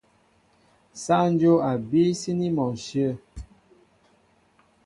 Sááŋ dyóp a bííy síní mɔ ǹshyə̂.